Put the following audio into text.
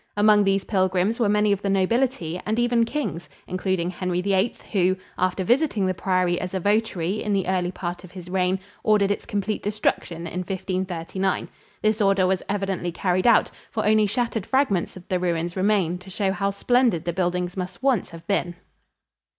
Among these pilgrims were many of the nobility and even kings, including Henry VIII, who, after visiting the priory as a votary in the early part of his reign, ordered its complete destruction in 1539. This order was evidently carried out, for only shattered fragments of the ruins remain to show how splendid the buildings must once have been.